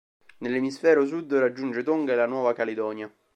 Nell’emisfero sud raggiunge Tonga e la Nuova Caledonia.